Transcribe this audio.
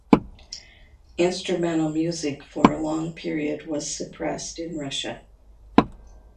Instrumental music for a long period was suppressed in Russia.